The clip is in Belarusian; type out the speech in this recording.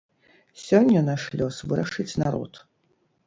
Сёння наш лёс вырашыць народ.